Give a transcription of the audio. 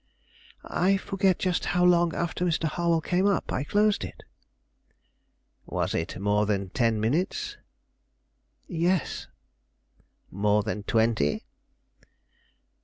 "I forget just how long after Mr. Harwell came up I closed it." "Was it more than ten minutes?" "Yes." "More than twenty?"